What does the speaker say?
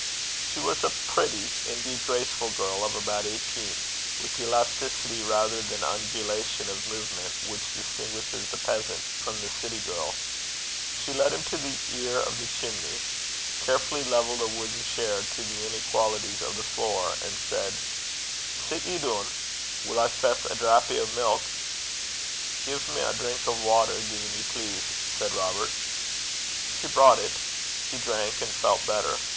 She was a pretty, indeed graceful girl of about eighteen, with the elasticity rather than undulation of movement which distinguishes the peasant from the city girl. She led him to the chimla lug (the ear of the chimney), carefully levelled a wooden chair to the inequalities of the floor, and said, 'Sit ye doon. Will I fess a drappy o' milk?' 'Gie me a drink o' water, gin ye please,' said Robert. She brought it. He drank, and felt better.